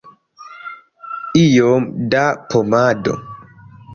Iom da pomado?